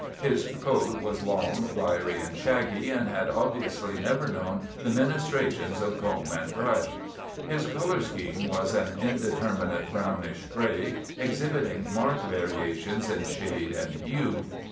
His coat was long, wiry, and shaggy, and had obviously never known the ministrations of comb and brush. His color scheme was an indeter minate brownish gray, exhibiting marked variations in shade and hue.